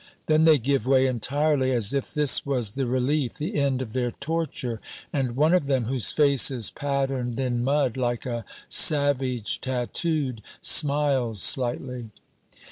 Then they give way entirely, as if this was the relief, the end of their torture; and one of them whose face is patterned in mud like a savage tattooed, smiles slightly.